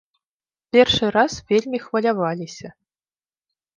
Першы раз вельмі хваляваліся.